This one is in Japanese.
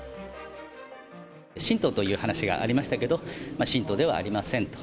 信徒という話がありましたけど、信徒ではありませんと。